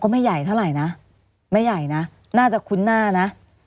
ไม่ใหญ่เท่าไหร่นะไม่ใหญ่นะน่าจะคุ้นหน้านะ